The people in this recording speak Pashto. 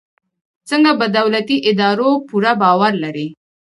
خلک په دولتي ادارو پوره باور لري.